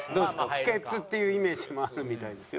不潔っていうイメージもあるみたいですよ。